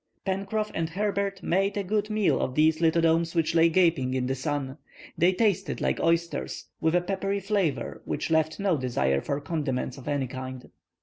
Pencroff and Herbert made a good meal of these lithodomes. which lay gaping in the sun. They tasted like oysters, with a peppery flavor which left no desire for condiments of any kind.